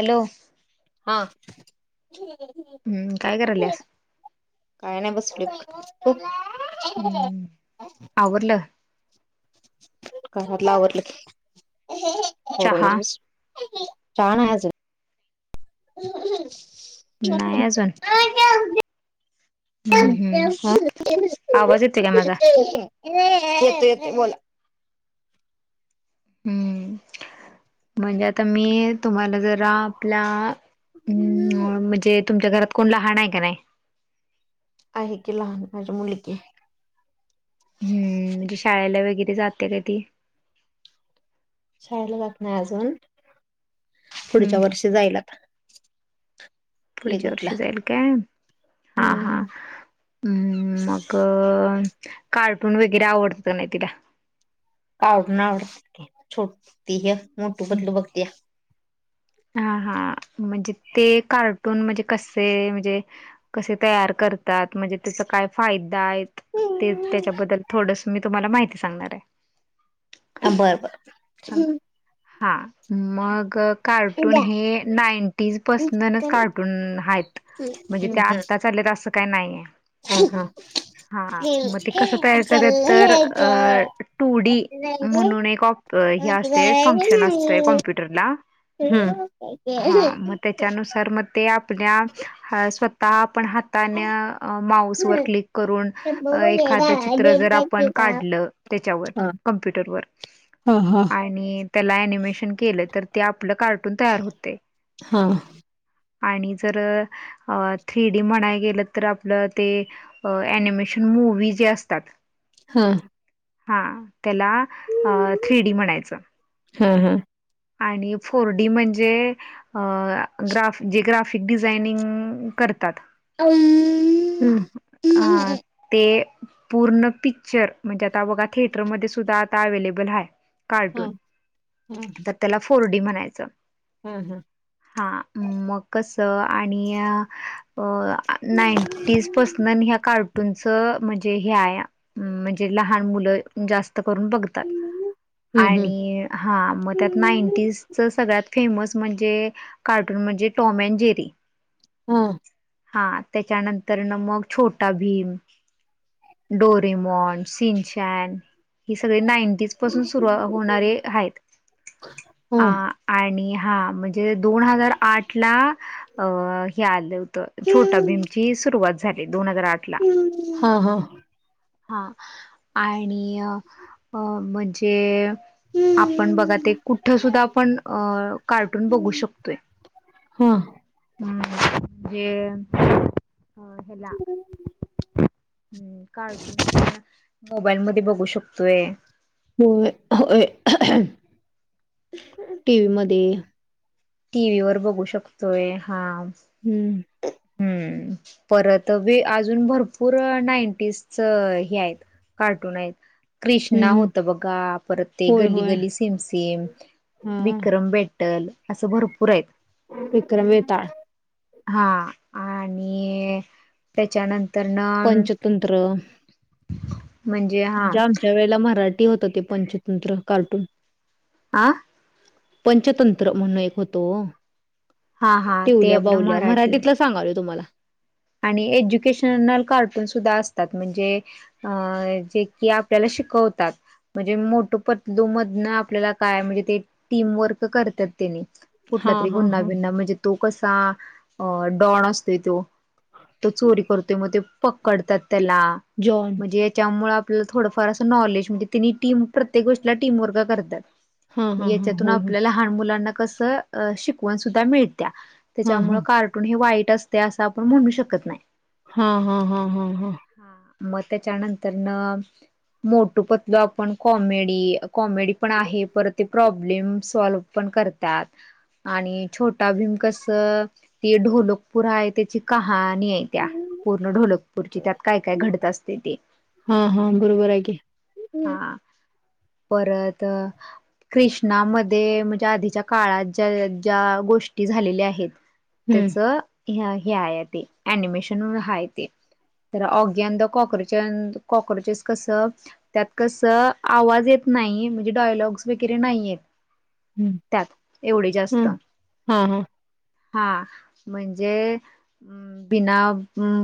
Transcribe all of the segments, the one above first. Hello [unintelligible] हा हम्म काय [unintelligible] करायल्यास काय नाही बसल खूप [unintelligible] हम्म आवरलं [unintelligible] घरातल आवरलं कि चहा आवरूनच बसली [unintelligible] शाळा नाही आजून [unintelligible] का नाही अजून [unintelligible] [unintelligible] हम्म [unintelligible] हम्म येतय आवाज येतोय काय येतय माझा बोला [unintelligible] हम्म म्हणजे आता मी [unintelligible] तुम्हाला जरा आपल्या अ म्हणजे तुमच्या घरात कोण लहान आहे का नाही [unintelligible] आहे की लहान माझ्या मुलगी [unintelligible] हम्म म्हणजे शाळेला वगैरे जाते का ती शाळेला जक नाही अजून पुढच्या हम्म वर्षी जायला आता प्ले पुढच्या ग्रुपला वर्षी जाईल काय हा हा हम्म हम्म मग कार्टून वगैरे आवडतं की नाही तिला [unintelligible] छोटी ते हे मोठू पतलु बघते या हा हा म्हणजे ते कार्टून म्हणजे कसे म्हणजे कसे तयार करतात म्हणजे त्याचा काय फायदा आहे ते त्याच्याबद्दल थोडस मी तुम्हाला माहिती सांगणार आहे बरं बर बर हा मग कार्टून हे नाईंटीजपसूनच कार्टून आहेत म्हणजे ते हम्म आत्ताच आल्यात असं काही नाहीय हा हा हा मग ते हा कसं तयार करतेत तर अ टू डी म्हणून एक हे असतय फक्शन असतय कमप्युटरला हा मग त्या तर म ते आपल्या अ स्वत आपण हा त् आणि माऊसवर क्लिक करून अ एखाद चित्र जर आपण काढलं त्याच्यावर कमप्युटरवर आणि त्याला अनिमेशन केलं तर ते आपलं का तयार होते आणि जर अ थ्री डी म्हणाय गेलं तर आपलं ते अ अनिमेशन मूवी जे असतात हा हा त्याला थ्री डी म्हणायचं हा हा आणि फोर डी म्हणजे अ ग्राफ जे ग्राफिक डिझायनिंग करतात [unintelligible] हम्म अ ते पूर्ण पिक्चर म्हणजे आता बघा थिएटरमध्ये सुद्धा आता अवे्लेबल आहे कार्टून तर त्याला फोर डी म्हणायचं हम हम हा मग कस आणि नाईन पसन ह कार्टून च म्हणजे हे म्हणजे लहान मुलं जास्त करून बघतात हम्म हम्म आणि हा मग त्यात नाईंटीजच सगळ्यात फेमस म्हणजे कार्टून म्हणजे टॉम अँड जेरी हा हा त्याच्यानंतर तर ना मग छोटा भीम डोरेमॉन सिंचन ही सगळी नाईंटीज पासून सुरु होणारे आहेत हा अ आणि हा म्हणजे दोन हजार आठ ला अ हे आलं होतं छोटा भीम ची सुरुवात झाली दोन हजार आठ ला. हा हा हा आणि अ म्हणजे आपण बघा ते कुठं सुद्धा आपण अ कार्टून हा बघू शकतोय हा जे ह हेला हम्म कार्टून मोबाईल मध्ये बघू शकतोय [unintelligible] होय होय टीवी मध्ये [unintelligible] टी व्ही वर बघू शकतोय हा [unintelligible] हम्म [unintelligible] हम्म [unintelligible] परत बी अजून भरपूर नाईंटीज हे आहेत [unintelligible] कार्टून आहेत हम्म कृष्णा हम्म होत बघा परत ते होय गली होय गली सेम सिम हा विक्रम बेट्टल असं भरपूर आहेत [unintelligible] विक्रम वेताळ [unintelligible] हा आणि त्याच्यानंतर न [unintelligible] स्वतंत्र [unintelligible] म्हणजे आमच्या वेळेला मराठी होत ते पंचतंत्र कार्टून [unintelligible] आं [unintelligible] पंचतंत्र म्हण एक होतो हा हा ते टवल्या आपलं बावल्या मराठी मराठीतला [unintelligible] सांगाल तुम्हाला [unintelligible] आणि एज्युकेशनल कार्टून सुद्धा असतात म्हणजे [unintelligible] अ जे की आपल्याला शिकवतात [unintelligible] म्हणजे मोठ पतलूमधन आपल्याला काय म्हणजे ते टीमवर्क करतात त्यानी [unintelligible] कुठला हा तरी हा गुन्हा हा वििनना म्हणजे तो कसा अ डॉन असतेो तो [unintelligible] तो चोरी करतोय मग ते पकडतात त्याला [unintelligible] जॉन [unintelligible] म्हणजे याच्यामुळे आपलं थोडंफार असं नॉलेज म्हणजे तिने टीम प्रत्येक गोष्टीला टीम वर्ग करतात [unintelligible] हा हा हा याच्यातून होय होय आपल्या लहान मुलांना कसं अ शिकवण सुद्धा मिळत्या [unintelligible] हा त्याच्यामुळेळ हा कार्टून हे वाईट असते असं आपण म्हणू शकत नाही [unintelligible] हा हा हा हा हा [unintelligible] हा मग त्याच्यानंतर न [unintelligible] मोठू पतलू आपण कॉमेडी कॉमेडी पण आहे पर ते प्रॉब्लेम सॉल्व पण करत आणि छोटा भीम कस त ढोलोकपुर आहे त्याची का [unintelligible] हा नि [unintelligible] पूर्ण ढोलकपूरची त्यात काय काय घडत असते तेी हा हा बरोबर आहे की हम्म हा परत [unintelligible] कृष्णामध्ये म्हणजे आधीच्या काळात ज्या ज्या गोष्टी झालेल्या आहेत [unintelligible] त्याच हे आहे ते अनिमेशन हा आहे ते [unintelligible] तर ऑग्या द कॉकोच कॉक्रोचेस कसं [unintelligible] त्यात कसं आवाज येत नाही म्हणजे डायलॉग्स वगैरे नाही आहेत [unintelligible] हम्म त्यात एवढी जास्त हम्म हा हा हा म्हणजे हम्म [unintelligible] बिना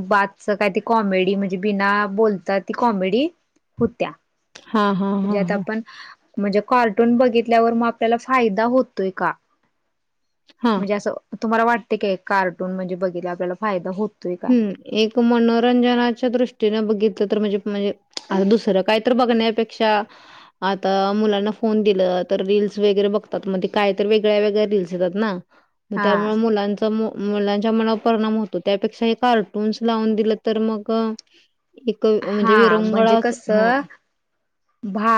बातच काय ते कॉमेडी म्हणजे बिना बोलतात ती कॉमेडी [unintelligible] होत्या हा हा हा म्हणजेत हा आपण [unintelligible] म्हणजे कार्टून बघितल्यावर मग आपल्याला फायदा होतोय का हा म्हणजे असं तुम्हाला वाटते काय एक कार्टून म्हणजे बघितले आपल्याला फायदा होत [unintelligible] हम्म [unintelligible] एक मनोरंजनाच्या दृष्टीने बघितलं तर म्हणजे म्हणजे आ दुसरं काय तर बघण्यापेक्षा आता मुलांना फोन दिलं तर रीलस वगैरे बघतात मणे काय तर वेगळ्या वेगळ्या रीलस येतात ना हा त्यामुळे मुलांचा मुलांच्या मनावर परिणाम होतो त्यापेक्षा [unintelligible] कार्टून्स लावून दिलं तर मग एक म्हणजे हा म्हणजे विरंगळा कसं [unintelligible] भा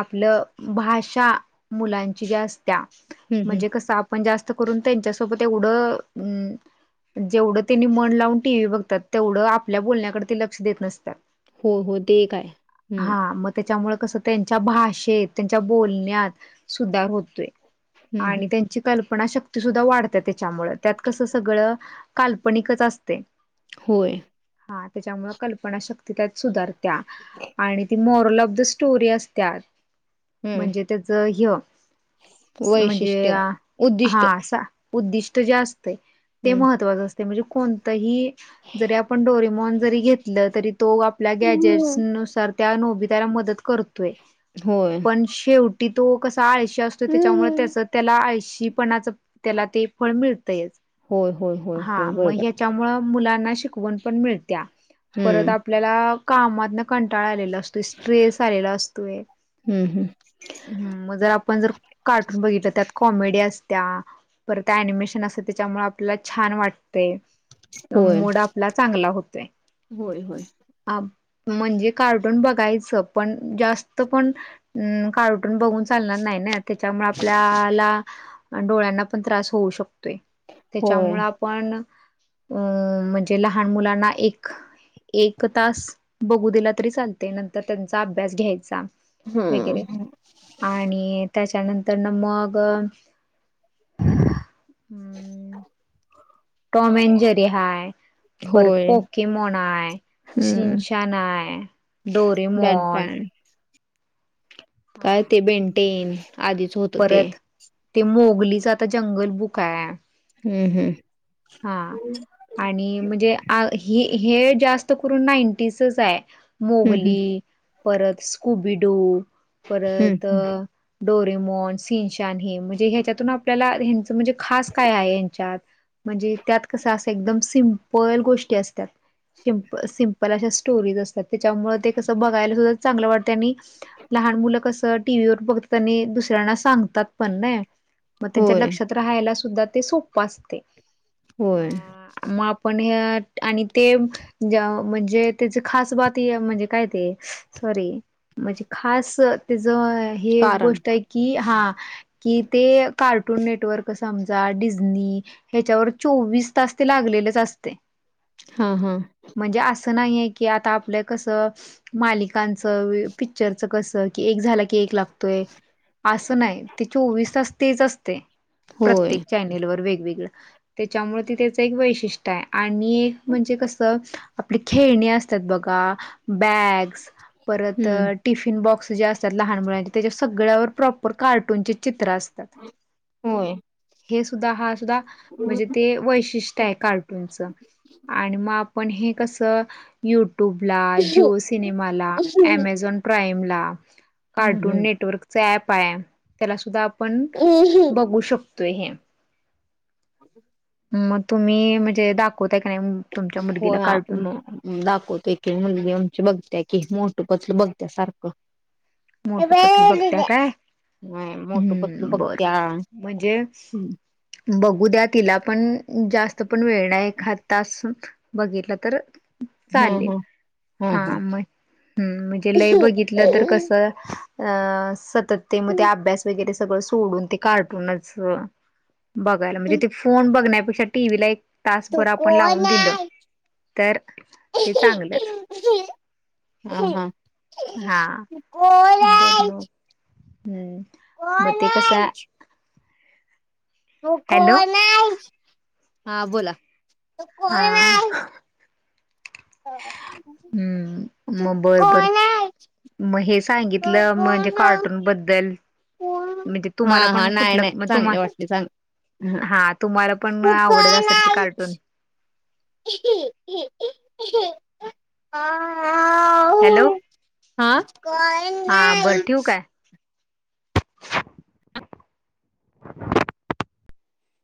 आपलं भाषा मुलांची जास्त [unintelligible] त्या हं, हं. म्हणजे कस आपण जास्त करून त्यांच्यासोबत एवढं अ [unintelligible] जेवढं त्यांनी मन लावून टीव्ही बघतात तेवढं आपल्या बोलण्याकडे ते लक्ष देत नसतात [unintelligible] हो हो ते काय हम्म [unintelligible] हा मग त्याच्यामुळे कसं त्यांच्या भाषेत त्यांच्या बोलण्यात सुधार होतोय. हं, आणि हं. त्यां कल्पना शक्ती सुद्धा वाढते, त्याच्यामुळे त्यात कसं सगळं काल्पनिकच असते. होय. हा त्याच्यामुळे कल्पना शक्ती त्यात सुधारत्या आणि ती मॉरल ऑफ द स्टोरी असते. त्यात हं. म्हणजे त्याच ह म्हणजे वैशिष्ट्य, उद्दिष्ट. हा असा उद्दिष्ट जे असते ते हं. महत्त्वाचं असते म्हणजे कोणतंही ज आपण डोरिमॉन जरी घेतल तरी तो आपल्या ग्याजेट्स हं. नुसार त्या नोबीताला मदत करतोय. होय. पण शेवटी तो कसा आळशी असतो, त्याच्यामुळे त्याच होय, त्याला आळशी पणाच त्याला ते फळ मिळतयच होय, होय, हा होय. मग बरोबर. ह्याच्यामुळ मुलांना शिक वण पण मिळत्या परत हम्म, आपल्याला कामातन कंटाळा आलेला असतो. स्ट्रेस आलेला असतोय. हम्म, हम्म. हं मग जर आपण जर कार्टून बघितलं त्यात कॉमेडी असतीया. परत अ‍ॅनिमेशन असं त्याच्यामुळे आपल्याला छान वाटते. होय. मूड आपला चांगला होतोय. होय होय. ह म्हणजे कार्टून बघायचं पण जास्त पण कार्ट बघून चालणार नाही ना त्याच्यामुळे आपल्याला आणि डोळ्यांना पण त्रास होऊ शकतोय होय. त्याच्यामुळ पण अ म्हणजे लहान मुलांना एक एक तास बघू दिला तरी चालतय नंतर त्यांचा अभ्यास घ्यायचा. वगैरे हंहं. आणि त्याच्यानंतर न मग टॉम ॲन जेरि हाय परत होय. पोकेमॉन आहे हम्म. सिंचेन आहे बॅट डोरीमॉन म्हन बँड काय ते बेंटेन आधीच होत. परत ते मोगलीच आता जंगल बुक आहे. हं हं. हा. आणि म्हणजे हे जास्त करून नाईंटीजसच आहे. हम्म, हम्म. मोगली, परत स्कुबिडो, हम्म. परत डोरेमोन सिनचेन हे म्हणजे ह्याच्यातून आपल्याला ह्याच म्हणजे खास काय आहे. ह्याच्यात म्हणजे त्यात कसं असं एकदम सिम्पल गोष्टी असतात. सीप सिंपल अशा स्टोरीज असतात. त्याच्यामुळे ते कसं बघायला सुद्धा चांगलं वाटतय आणि लहान मुलं असं टीव्हीवर बघतात आणि दुसऱ्यांना सांगतात पण नाही. मग त्यांच्या होय, लक्षात राहायला सुद्धा ते सोपं असते होय. अ मग पण हे आणि ते म्हणजे त्याच खास बात म्हणजे काय ते सॉरी म्हणजे खास त्याच हे कारण गोष्ट आहे कि हा कि ते कार्टून नेटवर्क समजा डिझनी ह्याच्यावर चोवीस तास ते लागलेलेच असतय. हा हा. म्हणजे असं नाही की आता आपलं कस मालिकांच, पिक्चरच कस की एक झाला की एक लागतोय, असं नाही ते चोवीस तास तेच असते. होय. प्रत्येक चॅनेल वर वेगवेगळं त्याच्यामुळे त त्याचं एक वैशिष्ट्य आणि एक म्हणजे कसं आपली खेळणे असतात बघा बॅग्स परत हम्म. टिफिन बॉक्स जे असतात. लहान मुलांचे त्याच्या सगळ्यावर प्रॉपर कार्टूनचे चित्र असतात. होय. हे सुद्धा हा सुद्धा मजे ते वैशिष्ट्य आहे कार्टूनच आणि म आपण हे कसं युट्यूब ला, जिओ सिनेमाला, ॲमेझॉन प्राईम ला हम्म, कार्टून हम्म. नेटवर्कच ऍप आहे त्याला सुद्धा आपण बघू शकतोय हे [unintelligible] म तुम्ही म्हणजे दाखवताय का नाय तुमच्या मुलगीला होय कार्टून आपण दाखवतोय की मुलगी आमची बघत्या की मोटू पतलू बघत्या सारखं मोटू पतलू बघत्या काय व्हय मोटू पतलू हम्म बर बघत्या. म्हणजे बघू द्या तिला पण जास्त पण वेळ नाय एखाद तास बघितलं तर चालेल हम्म. हा हम्म, म हं म्हणजे लय बघितलं तर हम्म. कस अ सतत ते मग ते तू अभ्यास वगैरे सगळं सोडून ते कार्टूनच बघायला म्हणजे ते फोन बघण्यापेक्षा टीव्हीला एक तू तासभर आपण कोण लावून दिल आहे तर ते चांगलंच. हा बर मग [unintelligible] हम्म म कोण ते कसाय आहे हॅलो हा बोला कोण आहे हा हम्म तू म बर बर कोण आहे म हे तू सांगितलं म्हणजे कोण आहे? कार्टून बद्दल कोण म्हणजे हा तुम्हाला हा पण नाही कुठलं नाही म तुम्हा चांगले वाटले चांगले हा तुम्हाला पण तू आवडत कोण असल की आहे कार्टून [unintelligible] हॅलो, आऊ हा कोण हा बर आहे ठेवू काय?